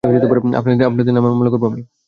আপনাদের নামে মামলা করব আমি।